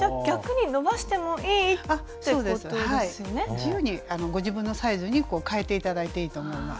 自由にご自分のサイズに変えて頂いていいと思います。